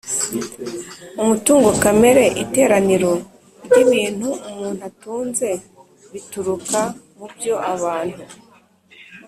umutungo kamere: iteraniro ry’ibintu umuntu atunze bituruka mu byo abantu